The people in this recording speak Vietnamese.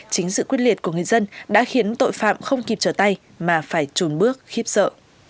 chính sự quyết liệt của người dân đã khiến tội phạm không kịp trở tay mà phải trùn bước khiếp sợ